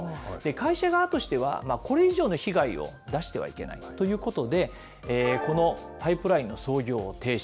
会社側としては、これ以上の被害を出してはいけないということで、このパイプラインの操業を停止。